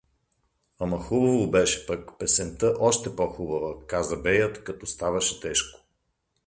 Ама хубаво беше пък, песента още по-хубава — каза беят, като ставаше тежко.